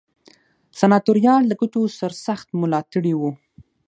سناتوریال د ګټو سرسخت ملاتړي وو.